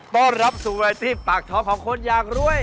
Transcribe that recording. ต้อนรับสู่รายตี้ปากท้องของคนอยากรวย